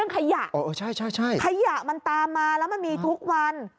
ปัญหาอะไรครับ